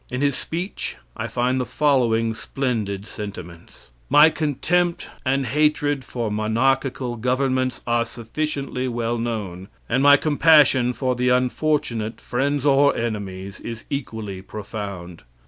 In his speech I find the following splendid sentiments: "My contempt and hatred for monarchical governments are sufficiently well known, and my compassion for the unfortunate, friends or enemies, is equally profound.